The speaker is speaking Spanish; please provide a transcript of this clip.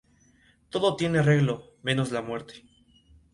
Es miembro de la Asociación Nacional de escritores y científicos estadounidenses.